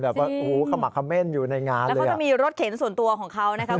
แบบว่าโอ้โฮเขาหมักคำเม้นอยู่ในงานเลยอ่ะใช่แล้วก็จะมีรถเข็นส่วนตัวของเขานะครับ